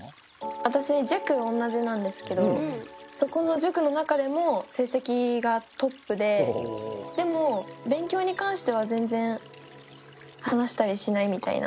私塾同じなんですけどそこの塾の中でも成績がトップででも勉強に関しては全然話したりしないみたいな。